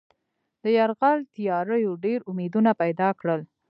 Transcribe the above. د یرغل تیاریو ډېر امیدونه پیدا کړل.